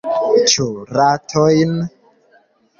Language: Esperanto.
Ĉu ratojn?